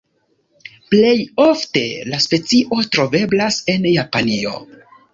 Plej ofte la specio troveblas en Japanio.